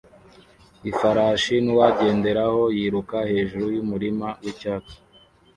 Ifarashi nuwagenderaho yiruka hejuru yumurima wicyatsi